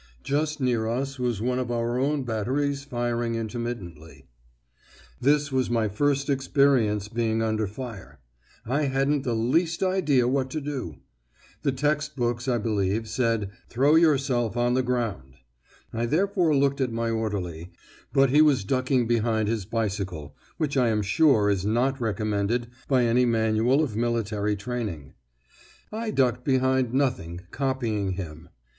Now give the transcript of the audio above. Just near us was one of our own batteries firing intermittently." This was my first experience of being under fire. I hadn't the least idea what to do. The textbooks, I believe, said "Throw yourself on the ground." I therefore looked at my orderly; but he was ducking behind his bicycle, which I am sure is not recommended by any manual of military training! I ducked behind nothing, copying him.